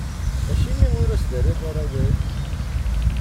Acimi ur as-terriḍ ara awal?